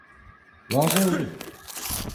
Razı oldu.